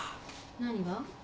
何が？